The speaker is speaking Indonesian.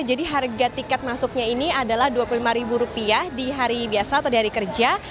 jadi harga tiket masuknya ini adalah rp dua puluh lima di hari biasa atau di hari kerja